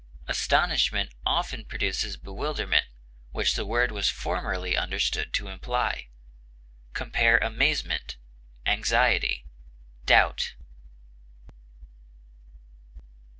Astonishment often produces bewilderment, which the word was formerly understood to imply. Compare AMAZEMENT; ANXIETY; DOUBT.